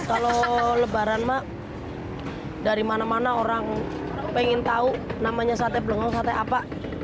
kalau lebaran mak dari mana mana orang pengen tahu namanya sate blengong sate apa